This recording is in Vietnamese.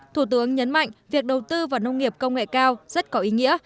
thủ tướng nhấn mạnh việc đầu tư vào nông nghiệp công nghệ cao rất có ý nghĩa